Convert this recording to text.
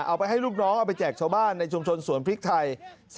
เอาไปให้ลูกน้องเอาไปแจกชาวบ้านในชุมชนสวนพริกไทย